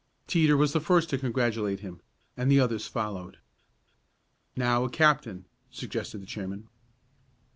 Teeter was the first to congratulate him, and the others followed. "Now a captain," suggested the chairman.